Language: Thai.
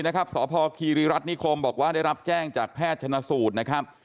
สาวพ่อทริริรัตนิคมได้รับแจ้งปรัชนาสูติ